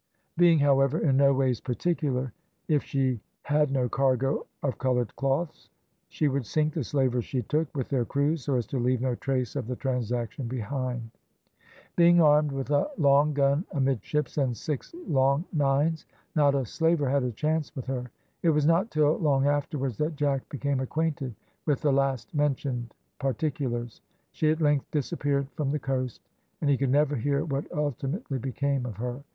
Being, however, in no ways particular, if she had no cargo of coloured cloths, she would sink the slavers she took, with their crews, so as to leave no trace of the transaction behind. Being armed with a long gun amidships and six long nines, not a slaver had a chance with her. It was not till long afterwards that Jack became acquainted with the last mentioned particulars. She at length disappeared from the coast, and he could never hear what ultimately became of her.